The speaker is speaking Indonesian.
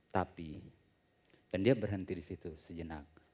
tapi dan dia berhenti di situ sejenak